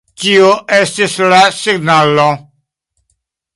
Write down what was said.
Tio estis la signalo.